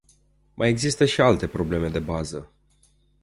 Mai există și alte probleme de bază.